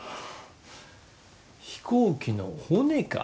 飛行機の骨か？